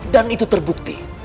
dan itu terbukti